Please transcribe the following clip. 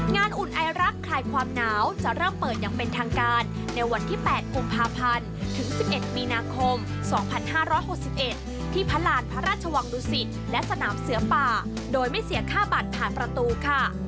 อุ่นไอรักคลายความหนาวจะเริ่มเปิดอย่างเป็นทางการในวันที่๘กุมภาพันธ์ถึง๑๑มีนาคม๒๕๖๑ที่พระราณพระราชวังดุสิตและสนามเสือป่าโดยไม่เสียค่าบัตรผ่านประตูค่ะ